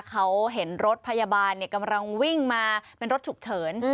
เขาเห็นรถพยาบาลกำลังวิ่งมาเป็นรถฉุกเฉิน